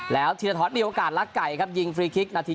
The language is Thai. แล้วธีรทรมีโอกาสลักไก่ครับยิงฟรีคลิกนาที